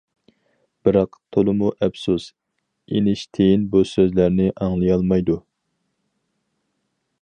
بىراق، تولىمۇ ئەپسۇس، ئېينىشتىيىن بۇ سۆزلەرنى ئاڭلىيالمايدۇ.